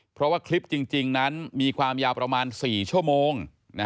เพราะว่าคลิปจริงนั้นมีความยาวประมาณ๔ชั่วโมง